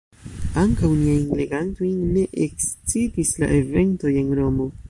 Ankaŭ niajn legantojn ne ekscitis la eventoj en Romo.